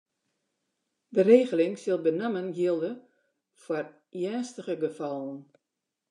De regeling sil benammen jilde foar earnstige gefallen.